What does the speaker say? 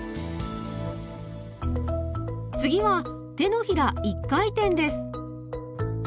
次は手のひら一回転です。